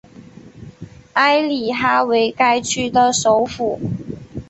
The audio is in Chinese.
埃里哈为该区的首府。